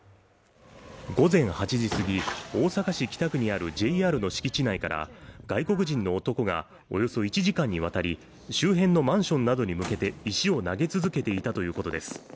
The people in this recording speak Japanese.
午前８時すぎ、大阪市北区にあるＪＲの敷地内から外国人の男が、およそ１時間にわたり周辺のマンションなどに向けて石を投げ続けていたということです。